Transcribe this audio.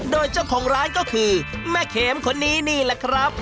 โดยเจ้าของร้านก็คือแม่เขมคนนี้นี่แหละครับ